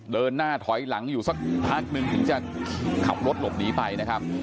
เดินหน้าถอยหลังอยู่สักพักหนึ่งถึงจะขับรถหลบหนีไปนะครับ